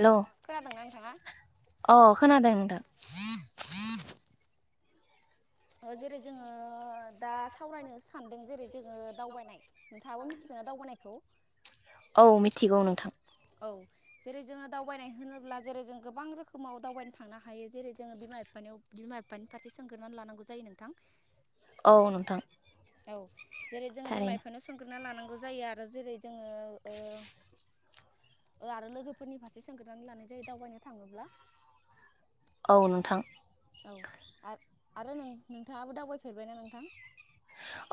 Hello खोनादोंना नोंथाङा अ खोनादों नोंथां ओ जेरै जोङो दा सावरायनो सानदों जेरै जोङो दावबायनाय नोंथाङाबो मिथिगौना दावबायनायखौ थिगौ नोंथां औ जेरै जोङो दावबायनाय होनोब्ला जेरै जों गोबां रोखोमाव दावबायनो थांनो हायो जेरै जोङो बिमा बिफानियाव बिमा बिफानि फारसे सोंग्रोनानै लानांगौ जायो नोंथां औ नोंथां औ जेरै जोङो बिमा थारैनो बिफानियाव सोंग्रोना लानां ओ जायो आरो जेरै जोंओ ओ ओ आरो लोगोफोरनि फारसे सोंग्रोनानै लानाय जायो दावबायनो थाङोब्ला। औ नोंथां। औ आर आरो नों-नोंथाङाबो दावबायफेरबायना नोंथां।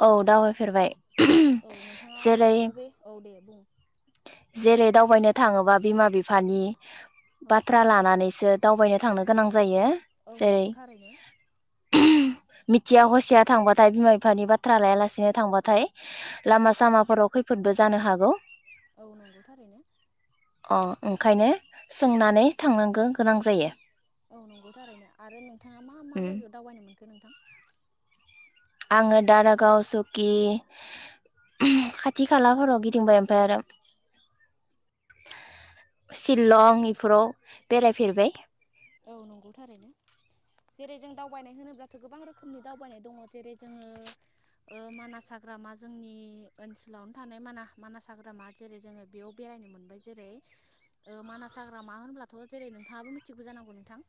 औ दावबायफेरबाय। औ नोंथाङा जेरै अबे औ दे बुं। जेरै दावबायनो थाङोबा बिमा बिफानि औ बाथ्रा लानानैसो दावबायनो थांनो गोनां जायो। औ जेरै नंगौ‌ थारैनो। मिथिया हसिया थांबाथाय बिमा बिफानि बाथ्रा लायालासेनो थांबाथाय लामा सामाफोराव खैफोदबो जानो हागौ। औ नंगौ थारैनो अ ओंखायनो सोंनानै थांनांगौ गोनां जायो। औ नंगौ‌ थारैनो आरो नोंथाङा मा मा उम जायगायाव दावबायनाय मोन। नोंथां। आङो दारागाव सुकि खाथि खालाफोराव गिदिंबाय आमफ्राय आरो सिलं बेफोराव बेरायफेरबाय। औ नंगौ थारैनो जेरै जों दावबायनाय होनोब्लाथ गोबां रोखोमनि दावबायनाय दङ जेरै जोङो मानास हाग्रामा जोंनि ओनसोलावनो थानाय मानास हाग्रामा जेरै जोङो बेयाव बेरायनो मोनबाय जेरै मानास हाग्रामा होनब्लाथ जेरै नोंथाङाबो मिथिगौ जानांगौ। औ नोंथां।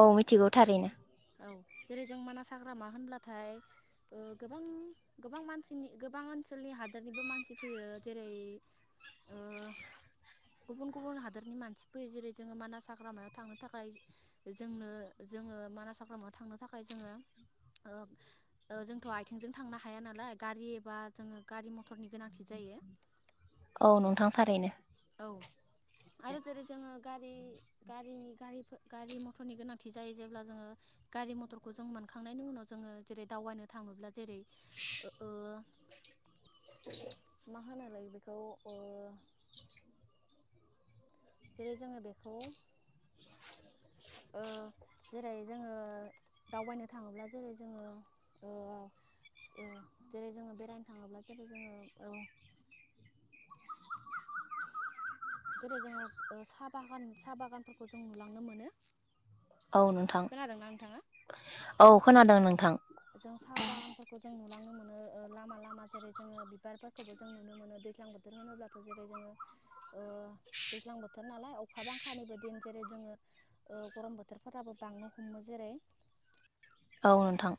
औ मिथिगौ थारैनो। औ जेरै जों मानास हाग्रामा होनब्लाथाय गोबां गोबां मानसिनि गोबां ओनसोलनि हादोरनिबो मानसि फैयो जेरै गुबुन गुबुन हादोरनि मानसि फैयो जेरै जोङो मानास हाग्रामायाव थांनो थाखाय जोंनो जोङो मानास। हाग्रामायाव थांनो थाखाय जोङो जोंथ आथिंजों थांनो हाया नालाय गारि एबा जोङो गारि मथरनि गोनांथि जायो। औ नोंथां थारैनो। औ आरो जेरै जोंङो। गारि गारिनि गारि गारि मथरनि गोनांथि जायो जेब्ला जोङो गारि मथरखौ जों मोनखांनायनि उनाव जोङो जेरै दावबायनो थाङोब्ला जेरै। आरो। मा होनालाय बेखौ। जेरै जोङो बेखौ जेरै जोङो दावबायनो थाङोब्ला जेरै जोङो जेरै जोङो बेरायनो थाङोब्ला जेरै जोङो। जेरै जोङो साहा बागान साहा बागानफोरखौ जों नुलांनो मोनो। औ नोंथां खोनादोंना नोंथाङा औ। खोनादों नोंथां। जों साहा बागानफोरखौ जों नुलांनो मोनो। ओ लामा लामा जेरै जोङो बिबारफोरखौबो जों नुनो मोनो दैज्लां बोथोर होनोब्लाथ जेरै जोङो दैज्लां बोथोर नालाय अखा बांखानिबो दिन जेरै जोङो गरम बोथोरफोराबो बांनो हमो जेरै। औ नोंथां।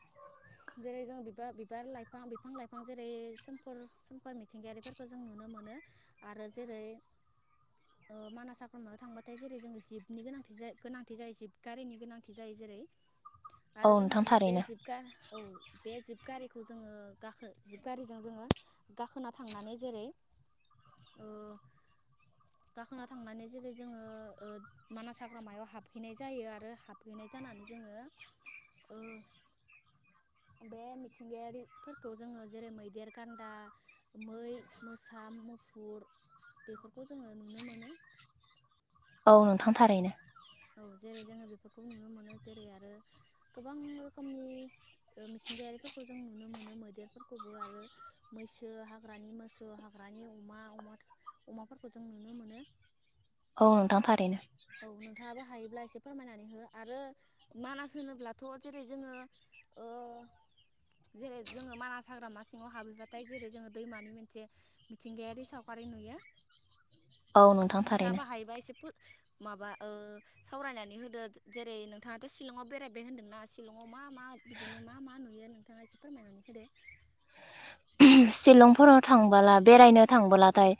जेरै जों बिबार बिबार लाइफां बिफां लाइफां जेरै सोमखोर मिथिंगायारिफोरखौ जों नुनो मोनो आरो जेरै मानास हाग्रामायाव थांबाथाय जेरै जों जिबनि गोनांथि गोनांथि जायो जिब गारिनि गोनांथि जायो जेरै औ आरो जों नोंथां जि बे थारैनो जिबखा [inaudible] गाखो जिब गारिजों जोङो गाखोना थांनानै जेरै ओ गाखोना थांनानै जेरै जोङो ओ मानास हाग्रामायाव हाबहैनाय जायो आरो हाबहैनाय जानानै जोङो ओ बे मिथिंगायारिफोरखौ जोङो जेरै मैदेर गान्दा मै मोसा मुफुर बेफोरखौ जोङो नुनो मोनो। औ नोंथां थारैनो। औ जेरै जोङो बेफोरखौबो नुनो मोनो जेरै आरो गोबां रोखोमनि मिथिंगायारिफोरखौ जों नुनो मोनो मैदेरफोरखौबो आरो मैसो हाग्रानि मोसौ हाग्रानि अमा अमाफोरखौ जों नुनो मोनो। औ नोंथां थारैनो। नोंथांङाबो हायोब्ला एसे फोरमायनानै हो आरो मानास होनोब्लाथ जेरै जोङो जेरै ओ जोङो मानास हाग्रामा सिङाव हाबहैबाथाय जेरै जोङो दैमानि मोनसे मिथिंगायारि सावगारि नुयो। औ नोंथां नोंथाङाबो थारैनो हायोबा एसे फो माबा ओ सावरायनानै होदो जेरै नोंथाङाथ शिलंआव बेरायबाय होनदोंना शिलंआव मा मा बिदिनो मा मा नुयो नोंथाङा एसे फोरमायनानै होदो। शिलंफोराव थांबोला बेरायनो थांबोलाथाय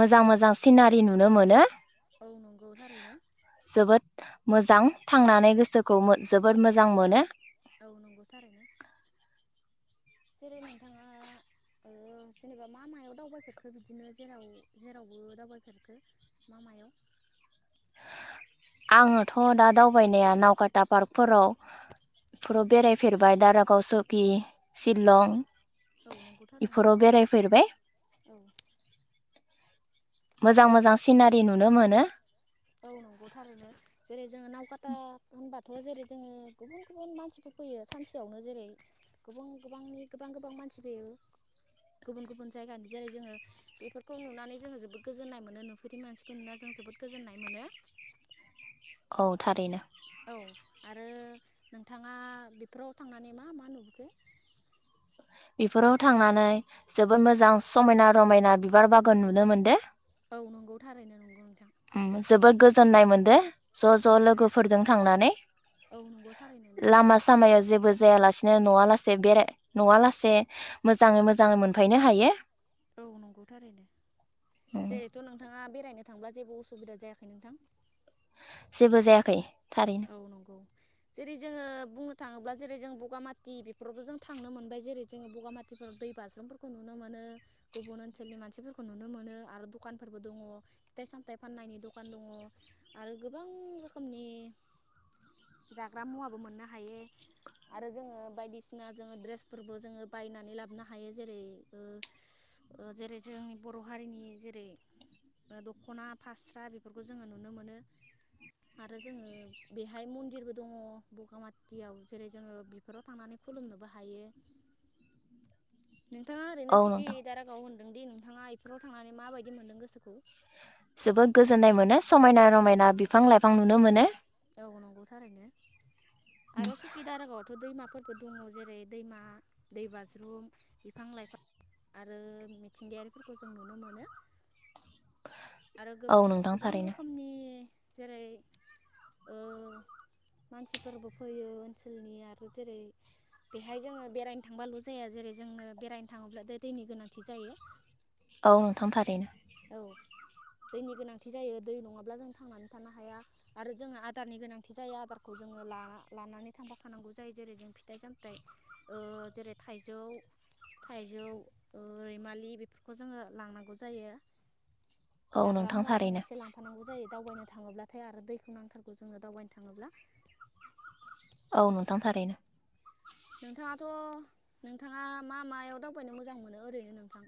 मोजां मोजां सिनारि नुनो मोनो। औ नंगौ थारैनो। जोबोद मोजां थांनानै गोसोखौ जोबोद मोजां मोनो। औ नंगौ थारैनो। जेरै नोंथाङा ओ जेनेबा मा मायाव दावबायफेरखो बिदिनो जेराव जेरावबो दावबायफेरखो मा मायाव? आङोथ दा दावबायनाया नावकाता पार्कफोरावफोराव बेरायफेरबाय दारागाव चकि सिशलं‌ औ नंगौथारैनो औ। मोजां मोजां सिनारि नुनो मोनो। औ नंगौथारैनो जेरै जोङो नावकाथा होनबा थ जेरै जोङो गुबुन गुबुन मानसिफोर फैयो सानसेयावनो जेरै गुबुन गोबांनि गोबां गोबां मानसि फैयो गुबुन गुबुन जायगानि जेरै जोङो बेफोरखौ नुनानै जोङो जोबोद गोजोननाय मोनो नुफेरै मानसिखौ नुनानै जों जोबोद गोजोननाय मोनो। औ थारैनो। औ आरो नोंथाङा बेफोराव थांनानै मा मा नुबोखो? बेफोराव थांनानै जोबोद मोजां समायना रमायना बिबार बागान नुनो मोनदों। औ नंगौ थारैनो नंगौ नोंथां। उम जोबोद गोजोननाय मोनदो। ज ज औ लोगोफोरजों थांनानै औ नंगौ थारैनो नोंथां लामा नंगौ। सामायाव जेबो जायालासेनो बिदिनो नवा लासे बेराय नवा लासे मोजाङै मोजाङै मोनफैनो हायो। औ नंगौ थारैनो उम जेरैथ' नोंथाङा बेरायनो थांब्ला जेबो उसुबिदा जायाखै नोंथां। जेबो जायाखै। थारैनो औ नंगौ। जेरै जोङो बुंनो थाङोब्ला जेरै जों बगामाथि बेफोरावबो जों थांनो मोनबाय जेरै जोङो बगामाथिफोराव दै बाज्रुमफोरखौ नुनो मोनो गुबुन ओनसोलनि मानसिफोरखौ नुनो मोनो आरो दखानफोरबो दङ फिथाइ सामथाइ फाननायनि दखान दङ आरो गोबां रोखोमनि जाग्रा मुवाबो मोननो हायो आरो जोङो बायदिसिना जोङो द्रेसफोरबो जोङो बायनानै लाबोनो हायो जेरै ओ जेरै जोंनि बर' हारिनि जेरै दखना फास्रा बेफोरखौ जोङो नुनो मोनो आरो जोङो बेहाय मन्दिरबो दङ बगामाथियाव जेरै जोङो बेफोराव थांनानै खुलुमनोबो हायो। नोंथाङा औ ओरैनो सुखि नोंथां दाागाव होनदों। नोंदि नोंथाङा बेफोराव थांनानै माबायदि मोन्दों गोसोखौ? जोबोद गोजोननाय मोनो समायना रमायना बिफां लाइफां नुनो मोनो। औ नंगौ थारैनो आरो सुखि दारागावथ दैमाफोर दङ जेरै दैमा दै बाज्रुम बिफां लाइफां आरो मिथिंगायारिफोरखौ जों नुनो मोनो। आरो औ गोब नोंथां गोबां थारैनो रोखोमनि जेरै ओ मानसिफोरबो फैयो ओनसोलनि आरो जेरै बेहाय जोङो बेरायनो थांबाल जाया जेरै जोंनो बेरायनो थाङोब्ला दै दैनि गोनांथि जायो। औ नोंथां थारैनो। औ दैनि गोनांथि जायो दै नङाब्ला जों थांनानै थानो हाया आरो जोङो आदारनि गोनांथि जायो आदारखौ जोङो लानानै थांफा थानांगौ जायो जेरै जों फिथाइ सामथाइ ओ जेरै थाइजौ थाइजौ ओ रैमालि बेफोरखौ जोङो लांनांगौ। जायो। औ जाग्रा नोंथां मुवाजों थारैनो एसे लांफानांगौ जायो। दावबायनो थाङोब्लाथाय आरो दैखौ नांथारगौ जोंनो दावबायनो थाङोब्ला। औ नोंथां थारैनो। नोंथाङाथ नोंथाङा मा मायाव दावबायनो मोजां मोनो ओरैनो नोंथां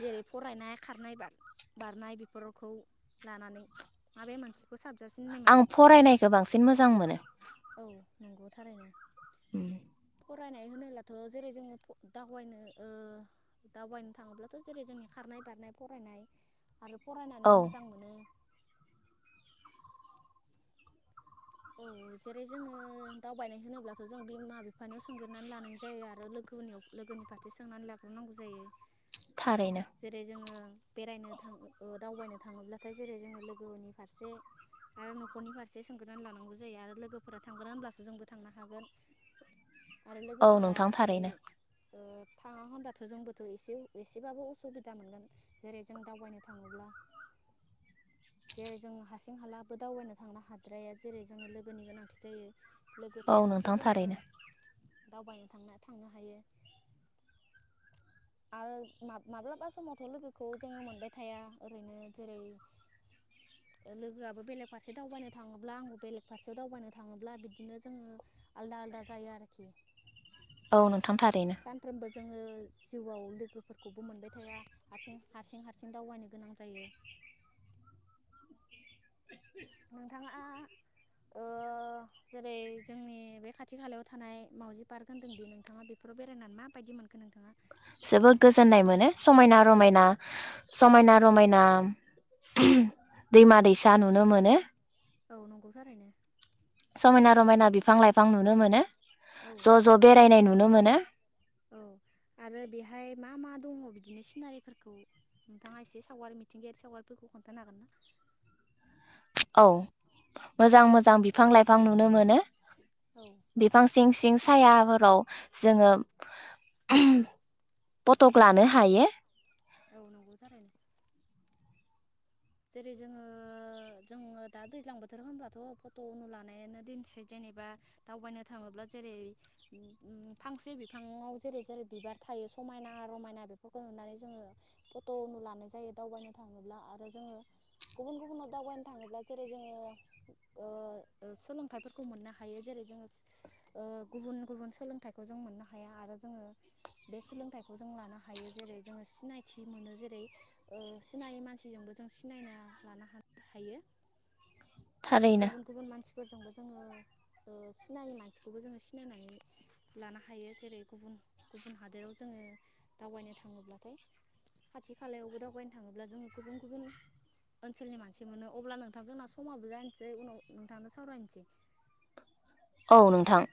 जेरै फरायनाय खारनाय बारनाय बेफोरखौ लानानै माबे मोनसेखौ? साबजासिन होननाय मोनो आं फरायनायखौ बांसिन मोजां मोनो। औ नंगौ थारैनो। उम फरायनाय होनोब्लाथ जेरै जोङो दावबायनो दावबायनो थाङोब्लाथ जेरै जोंनि खारनाय बारनाय फरायनाय। आरो औ फरायनानै मोजां मोनो। औ जेरै जोङो दावबायनाय होनोब्लाथ' जों बिमा बिफानियाव सोंग्रोनानै लानाय जायो आरो लोगोनियाव लोगोनि फारसे सोंनानै लाग्रोनांगौ जायो थारैनो जेरै जोङो बेरायनो थाङ दावबायनो थाङोब्लाथाय जेरै जोङो लोगोनि फारसे आरो न'खरनि फारसे सोंग्रोना लानांगौ जायो आरो लोगोफोरा थांगोन होनब्लासो जोंबो थांनो हागोन आरो औ लोगोफोरा नोंथां जेरै थारैनो थाङा होनबाथ' जोंबोथ' एसे एसेबाबो उसुब सुबिदा मोनगोन जेरै जों दावबायनो थाङोब्ला जेरै जों हारसिं हालाबो दावबायनो थांनो हाद्राया जेरै जोंनो लोगोनि गोनांथि जायो लोगो औ थाब्लासो नोंथां जोङो थारैनो दावबायनो थां थांनो हायो आरो मा माब्लाबा समावथ' लोगोखौ जोङो मोनबाय थाया ओरैनो जेरै लोगोआबो बेलेग फारसे दावबायनो थाङोब्ला आंबो बेलेग फारसेयाव दावबायनो थाङोब्ला बिदिनो जोङो आलादा आलादा जायो आरोखि औ नोंथां थारैनो सानफ्रोमबो जोङो जिउआव लोगोफोरखौ खौबो मोनबाय थाया हारसिं हारसिं हारसिं दावबायनो गोनां जायो आं ओह जेरै जोंनि बे खाथि खालायाव थानाय मावजि पार्क होनदों दि नोंथाङा बेफोराव बेरायनानै माबायदि मोनखो नोंथां जोबोद गोजोननाय मोनो समायना औ रमायना समायना रमायना दैमा दैसा नुनो मोनो औ नंगौ थारैनो समायना रमायना बिफां लाइफां नुनो मोनो औ ज' ज' थारैनो बेरायनाय नुनो मोनो औ आरो बेहाय मा मा दङ बि बिदिनो सिनारिफोरखौ नोंथाङा एसे सावगारि मिथिंगायारि सावगारिफोरखौ खोन्थानो हागोन ना औ मोजां मोजां बिफां लाइफां नुनो मोनो। औ बिफां सिं सिं सायाफोराव जोङो फटक लानो हायो औ नंगौ थारैनो जेरै जोङो जोङो दा दैज्लां बोथोर होनब्लाथ' फट' उनु लानायानो दिनसै जेनेबा दावबायनो थाङोब्ला जेरै फांसे बिफाङाव जेरै जेरै बिबार थायो समायना रमायना बेफोरखौ नुनानै जोङो फट'नु लानाय जायो दावबायनो थाङोब्ला आरो जोङो गुबुन गुबुनाव दावबायनो थाङोब्ला जेरै जोङो ओ सोलोंथाइफोरखौ मोननो हायो जेरै जोङो ओ गुबुन गुबुन सोलोंथाइखौ जों मोननो हाया आरो जोङो बे सोलोंथाइखौ जों लानो हायो जेरै जोङो ओ सिनायथि मोनो जेरै ओ सिनायै मानसिजोंबो जों सिनायना लानो हा हायो थारैनो गुबुन गुबुन मानसिफोरजोंबो जोङो ओ सिनायि मानसिखौबो जोङो सिनायनानै लानो हायो जेरै गुबुन गुबुन हादोराव जोङो दावबायनो थाङोब्लाथाय खाथि खालायावबो दावबायनो थाङोब्ला जोङो गुबुन गुबुन ओनसोलनि मानसि मोनो अब्ला नोंथां जोंना समाबो जानोसै उनाव नोंथांजों सावरायनोसै औ नोंथां